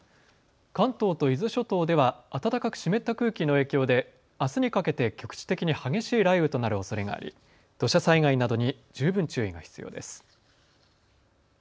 関東と伊豆諸島では暖かく湿った空気の影響であすにかけて局地的に激しい雷雨となるおそれがあり、土砂災害などに十分注意が必要です。